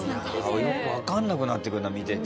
よくわかんなくなってくるな見てて。